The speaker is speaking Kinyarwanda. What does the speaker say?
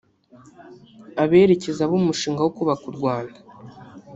aberekeza b’umushinga wo kubaka u Rwanda